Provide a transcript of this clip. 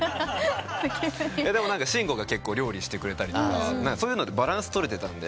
でも真吾が料理してくれたりとかそういうのでバランス取れてた。